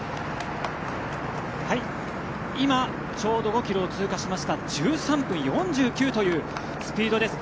今、ちょうど５ｋｍを通過しました１３分４９秒というスピードです。